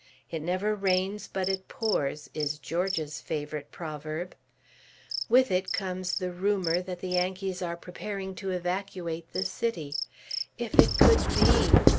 "It never rains but it pours" is George's favorite proverb. With it comes the "rumor" that the Yankees are preparing to evacuate the city. If it could be!